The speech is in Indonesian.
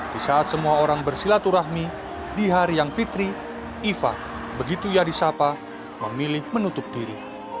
bisa semua orang bersilaturahmi di hari yang fitri ifa begitu yadisapa memilih menutup diri